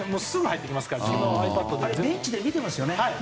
ベンチで見てますよね。